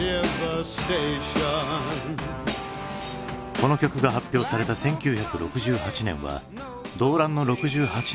この曲が発表された１９６８年は「動乱の６８年」と呼ばれた年だ。